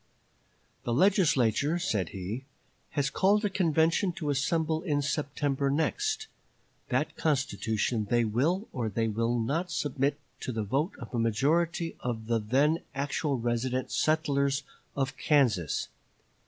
"The Legislature," said he, "has called a convention to assemble in September next. That constitution they will or they will not submit to the vote of a majority of the then actual resident settlers of Kansas.